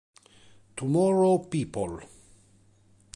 Tomorrow People